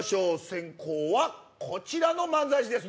先攻はこちらの漫才師です。